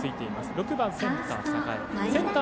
６番センター、榮。